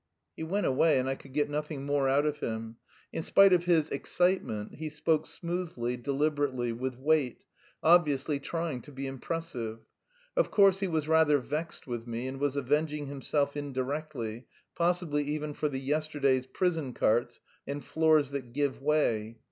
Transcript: He went away and I could get nothing more out of him. In spite of his "excitement," he spoke smoothly, deliberately, with weight, obviously trying to be impressive. Of course he was rather vexed with me and was avenging himself indirectly, possibly even for the yesterday's "prison carts" and "floors that give way."